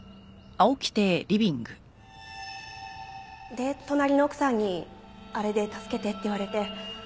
で隣の奥さんにあれで「助けて」って言われて。